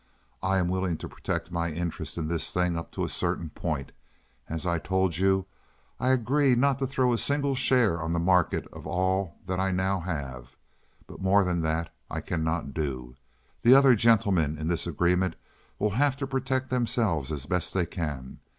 I am willing to protect my interests in this thing up to a certain point. As I told you, I agree not to throw a single share on the market of all that I now have. But more than that I cannot do. The other gentlemen in this agreement will have to protect themselves as best they can.